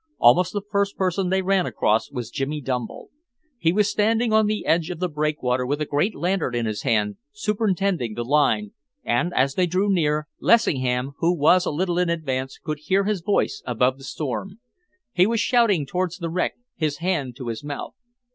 Almost the first person they ran across was Jimmy Dumble. He was standing on the edge of the breakwater with a great lantern in his hand, superintending the line, and, as they drew near, Lessingham, who was a little in advance, could hear his voice above the storm. He was shouting towards the wreck, his hand to his mouth.